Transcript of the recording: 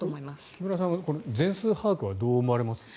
木村さんは全数把握はどう思われますか？